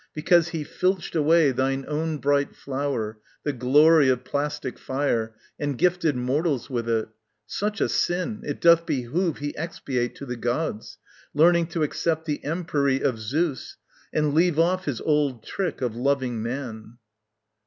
Because he filched away Thine own bright flower, the glory of plastic fire, And gifted mortals with it, such a sin It doth behove he expiate to the gods, Learning to accept the empery of Zeus And leave off his old trick of loving man.